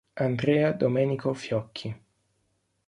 Andrea Domenico Fiocchi